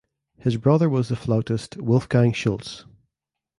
His brother was the flautist Wolfgang Schulz.